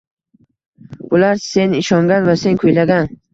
Bular — sen ishongan va sen kuylagan